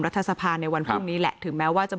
และการแสดงสมบัติของแคนดิเดตนายกนะครับ